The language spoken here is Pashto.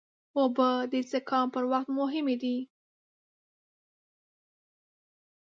اوبه د زکام پر وخت مهمې دي.